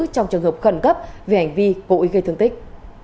trong trường hợp khẩn cấp vì hành vi cội gây thương tích